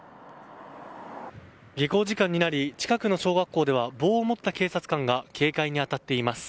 下校時間になり近くの小学校では棒を持った警察官が警戒に当たっています。